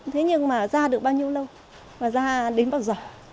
thế nhưng mà ra được bao nhiêu lâu và ra đến bao giờ